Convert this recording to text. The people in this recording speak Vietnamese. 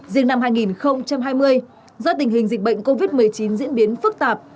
riêng năm hai nghìn hai mươi do tình hình dịch bệnh covid một mươi chín diễn biến phức tạp